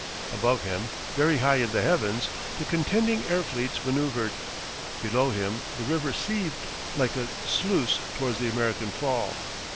Above him, very high in the heavens, the contending air fleets manoeuvred; below him the river seethed like a sluice towards the American Fall.